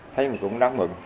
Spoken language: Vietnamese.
thấy mình cũng đáng mừng